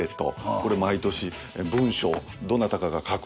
これ毎年文章どなたかが書く。